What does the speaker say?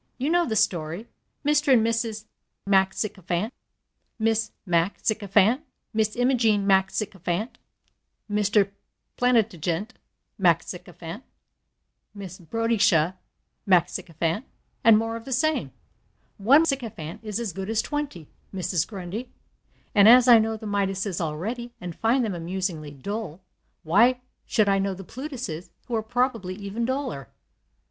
"You know the story: Mr. and Mrs. MacSycophant, Miss MacSycophant, Miss Imogen MacSycophant, Mr. Plantagenet MacSycophant, Miss Boadicea MacSycophant and more of the same. One MacSycophant is as good as twenty, Mrs. Grundy; and as I know the Midases already, and find them amusingly dull, why should I know the Plutuses, who are probably even duller?"